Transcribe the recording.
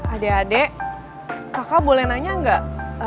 ade ade kakak boleh nanya gak